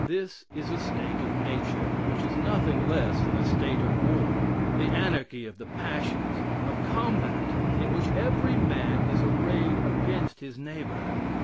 This is a state of nature, which is nothing less than a state of war, the anarchy of the passions, a combat in which every man is arrayed against his neighbor.